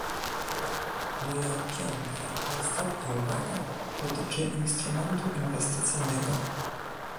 Moja piąta i ostatnia uwaga dotyczy instrumentu inwestycyjnego